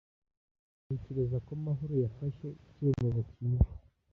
Ntekereza ko Mahoro yafashe icyemezo cyiza.